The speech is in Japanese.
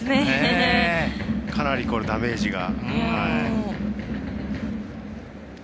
かなりダメージが。